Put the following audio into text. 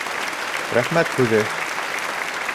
Рәхмәт һүҙе